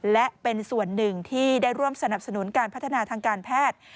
และเป็นส่วนหนึ่งที่ได้ร่วมสนับสนุนการพัฒนาทางการแพทย์